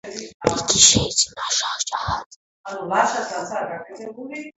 იგი შეიძინა შაჰ–ჯაჰანმა.